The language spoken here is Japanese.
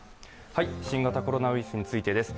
新型コロナウイルスについてです。